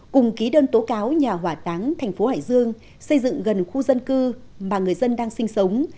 cùng ký đơn tố cáo nhà hỏa táng thành phố hải dương xây dựng gần khu dân cư mà người dân đang sinh sống